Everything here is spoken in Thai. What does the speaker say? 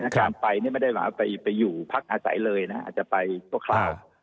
การไปนี่ไม่ได้หมายไปอยู่พักอาศัยเลยนะอาจจะไปชั่วคราว